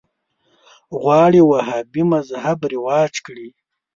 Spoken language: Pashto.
غواړي وهابي مذهب رواج کړي